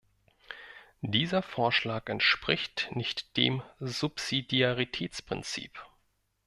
Dieser Vorschlag entspricht nicht dem Subsidiaritätsprinzip.